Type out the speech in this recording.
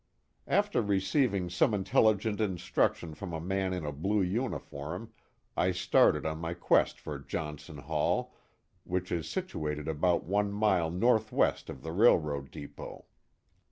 After receiving some intelligent instruction from a man in a blue uniform I started on my quest for Johnson Hail, which is situated about one mile northwest of the railroad depot.